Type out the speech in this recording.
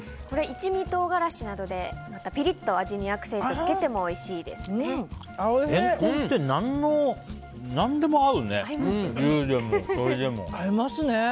これ、一味唐辛子などでピリッと味にアクセント付けてもおいしいですね。